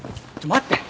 待って。